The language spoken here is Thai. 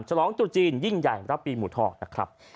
ฉลองจุดจีนยิ่งใหญ่รับปีหมูทองนะครับ